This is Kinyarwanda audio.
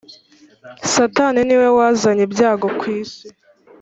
Satani niwe wazanye ibyago ku isi